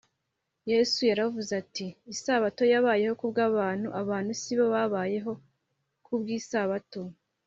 yesu yaravuze ati, “isabato yabayeho kubw’abantu, abantu si bo babayeho ku bw’isabato